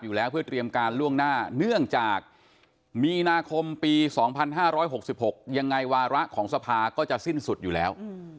มีอีนาคมปี๒๕๖๖ยังไงวาระของสภาก็จะสิ้นสุดอยู่แล้ว